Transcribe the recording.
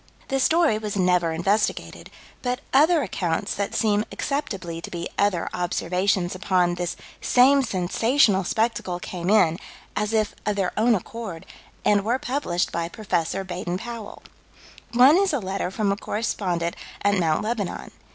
The story was never investigated, but other accounts that seem acceptably to be other observations upon this same sensational spectacle came in, as if of their own accord, and were published by Prof. Baden Powell. One is a letter from a correspondent at Mt. Lebanon.